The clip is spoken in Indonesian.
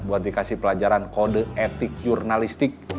buat dikasih pelajaran kode etik jurnalistik